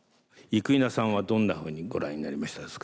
生稲さんはどんなふうにご覧になりましたですか？